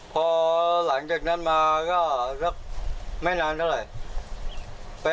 พอหลังจากนั้นมาก็สักไม่นานเท่าไหร่